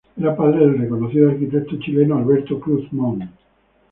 Era padre del reconocido arquitecto chileno Alberto Cruz Montt.